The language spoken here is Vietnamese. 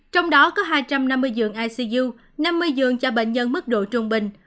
trong đó có hai trăm năm mươi giường icu năm mươi giường cho bệnh nhân mức độ trung bình